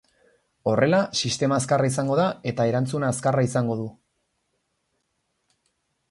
Horrela, sistema azkarra izango da eta erantzuna azkarra izango du,.